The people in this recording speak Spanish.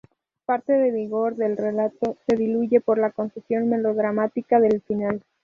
Parte del vigor del relato se diluye por la concesión melodramática del final.